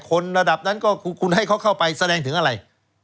ระดับนั้นก็คุณให้เขาเข้าไปแสดงถึงอะไร